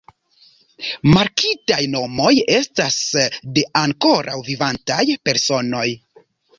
Markitaj nomoj estas de ankoraŭ vivantaj personoj.